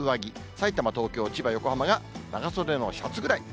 さいたま、東京、千葉、横浜が長袖のシャツぐらい。